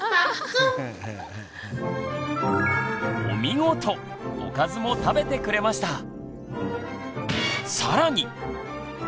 おかずも食べてくれました！